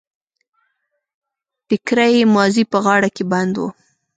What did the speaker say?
ټکری يې مازې په غاړه کې بند و.